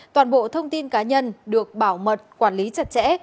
toàn bộ thông tin cá nhân được bảo mật quản lý chặt chẽ